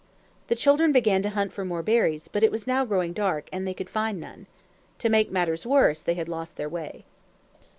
The children began to hunt for more berries, but it was now growing dark, and they could find none. To make matters worse, they had lost their way.